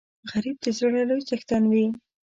غریب د زړه لوی څښتن وي